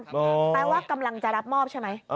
แปลว่ากำลังจะรับมอบใช่ไหม